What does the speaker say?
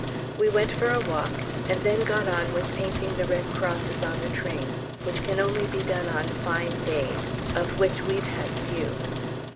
We went for a walk, and then got on with painting the red crosses on the train, which can only be done on fine days, of which we've had few.